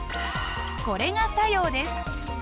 これが作用です。